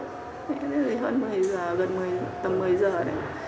thế thì hơn một mươi giờ gần một mươi tầm một mươi giờ đấy